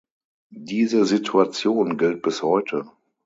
Diese Situation gilt bis heute.